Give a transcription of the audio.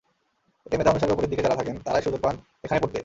এতে মেধা অনুসারে ওপরের দিকে যাঁরা থাকেন, তাঁরাই সুযোগ পান এখানে পড়তে।